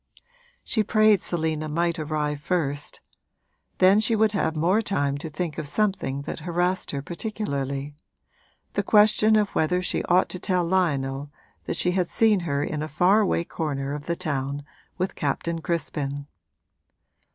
She prayed Selina might arrive first: then she would have more time to think of something that harassed her particularly the question of whether she ought to tell Lionel that she had seen her in a far away corner of the town with Captain Crispin.